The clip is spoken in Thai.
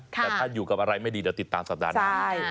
แต่ถ้าอยู่กับอะไรไม่ดีเดี๋ยวติดตามสัปดาห์หน้า